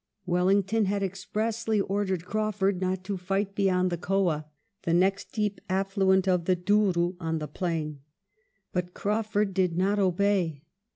Wellington had expressly ordered Craufurd not to fight beyond the Coa, the next deep affluent of the Douro on the plain; but Craufurd did not obey.